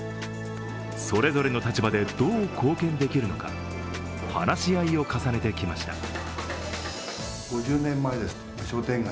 それぞれの立場でどう貢献できるのか、話し合いを重ねてきました。